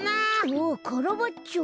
あっカラバッチョ。